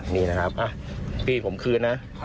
นี่นะครับพี่ผมคืนนะ